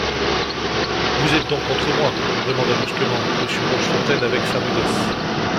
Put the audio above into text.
Vous êtes donc contre moi? demanda brusquement Monsieur Rochefontaine, avec sa rudesse.